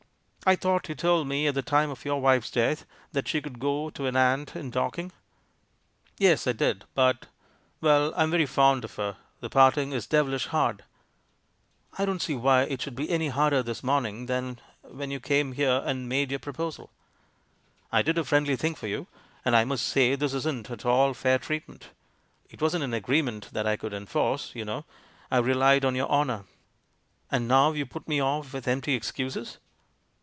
"I thought you told me, at the time of your wife's death, that she could go to an aunt in Dorking?" "Yes ; I did. But Well, I'm very fond of her. The parting is devilish hard." "I don't see why it should be any harder this morning than when you came here and made your proposal. I did a friendly thing for you, and I must say this isn't at all fair treatment. It wasn't an agreement that I could enforce, you know — I relied on your honour. And now you put me off with empty excuses."